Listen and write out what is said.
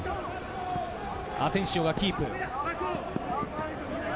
アセンシオがキープ。